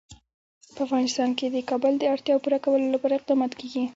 په افغانستان کې د کابل د اړتیاوو پوره کولو لپاره اقدامات کېږي.